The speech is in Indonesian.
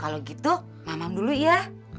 kalau gitu maman dulu ya